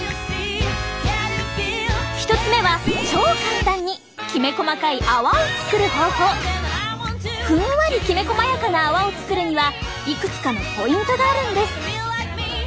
１つ目はふんわりきめこまやかな泡を作るにはいくつかのポイントがあるんです。